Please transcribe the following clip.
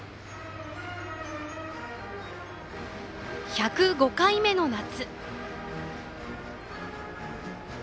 １０５回目の夏。